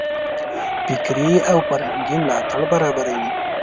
فکري او فرهنګي ملاتړ برابروي.